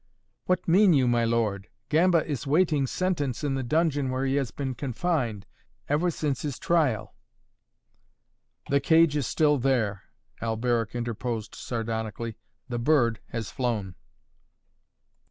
"What mean you, my lord? Gamba is awaiting sentence in the dungeon where he has been confined, ever since his trial " "The cage is still there," Alberic interposed sardonically. "The bird has flown."